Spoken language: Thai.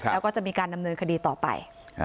แล้วก็จะมีการดำเนินคดีต่อไป